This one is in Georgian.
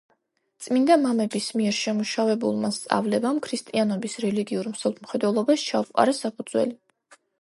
წმინდა მამების მიერ შემუშავებულმა სწავლებამ ქრისტიანობის რელიგიურ მსოფლმხედველობას ჩაუყარა საფუძველი.